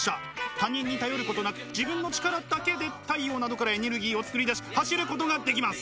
他人に頼ることなく自分の力だけで太陽などからエネルギーを作り出し走ることができます。